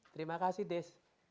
terima kasih des